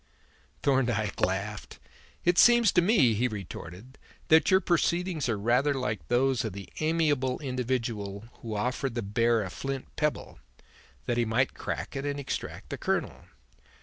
Thorndyke laughed. "It seems to me," he retorted, "that your proceedings are rather like those of the amiable individual who offered the bear a flint pebble, that he might crack it and extract the kernel.